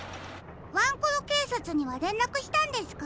ワンコロけいさつにはれんらくしたんですか？